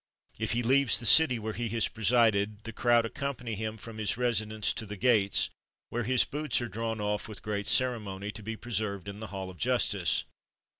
If he leaves the city where he has presided, the crowd accompany him from his residence to the gates, where his boots are drawn off with great ceremony, to be preserved in the hall of justice.